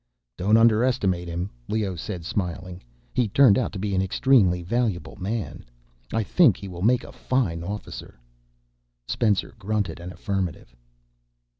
"Don't underestimate him," Leoh said, smiling. "He turned out to be an extremely valuable man. I think he will make a fine officer." Spencer grunted an affirmative.